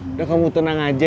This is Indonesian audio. udah kamu tenang aja